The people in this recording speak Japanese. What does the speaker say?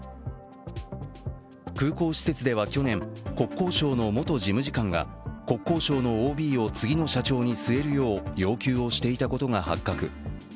空港施設では去年、国交省の元事務次官が国交省のＯＢを次の社長に据えるよう要求をしていたことが発覚。